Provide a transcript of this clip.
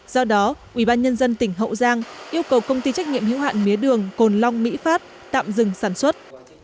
do đó ubnd tỉnh hậu giang yêu cầu công ty trách nhiệm hữu hạn mía đường cồn long mỹ phát tạm dừng sản xuất